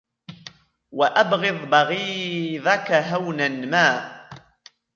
وَأَبْغِضْ بَغِيضَك هَوْنًا مَا